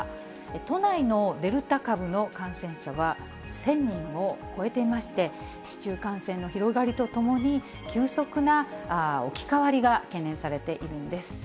都内のデルタ株の感染者は１０００人を超えていまして、市中感染の広がりとともに、急速な置き換わりが懸念されているんです。